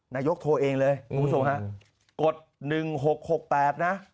นายกโทย์เองเลยผมอุปสรุปฮะ